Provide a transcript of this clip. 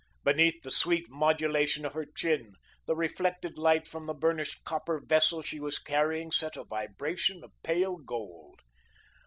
Beneath the sweet modulation of her chin, the reflected light from the burnished copper vessel she was carrying set a vibration of pale gold.